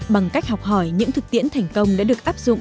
bằng cách học hỏi những thực tiễn thành công đã được áp dụng